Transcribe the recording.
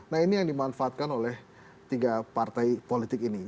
nah ini yang dimanfaatkan oleh tiga partai politik ini